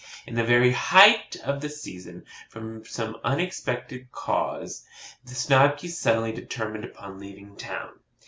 In the very height of the season, from some unexplained cause, the Snobkys suddenly determined upon leaving town.